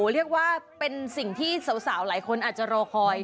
เรียกว่าเป็นสิ่งที่สาวหลายคนอาจจะรอคอย